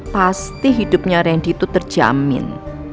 pasti hidupnya randy itu terjamin